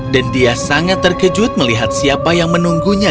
dan dia sangat terkejut melihat siapa yang menunggunya